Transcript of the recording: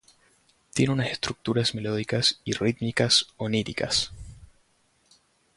Tiene unas estructuras melódicas y rítmicas oníricas.